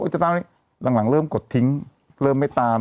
หลังเริ่มกดทิ้งเริ่มไม่ตาม